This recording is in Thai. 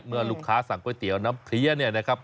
เมื่อลูกค้าสั่งก๋วยเตี๋ยวน้ำเพลียเนี่ยนะครับ